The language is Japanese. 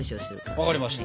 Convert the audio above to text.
分かりました。